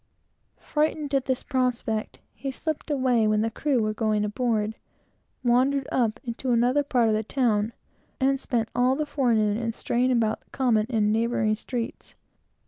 Frightened at this prospect, he slipped away when the crew was going aboard, wandered up into another part of the town, and spent all the forenoon in straying about the common, and the neighboring streets.